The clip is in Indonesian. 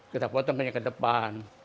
kita potong ke depan